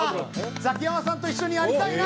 ザキヤマさんと一緒にやりたいな。